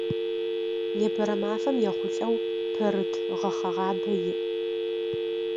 Непэрэ мафэм ехъулӏэу Пэрыт гъэхъэгъабэ иӏ.